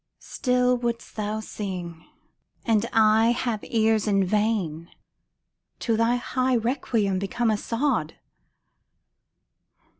Still wouldst thou sing, and I have ears in vain ŌĆö To thy high requiem become a sod.